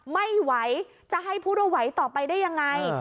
ไม่ไหวจะให้พูดว่าไหวต่อไปได้ยังไง